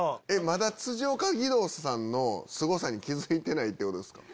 まだ辻岡義堂さんのすごさに気付いてないんですか？